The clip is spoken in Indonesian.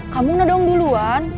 kamu nodong duluan